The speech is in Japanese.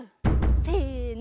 せの。